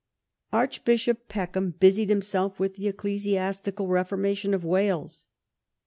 Archbishop Peckham busied himself with the ecclesi astical reformation of Wales.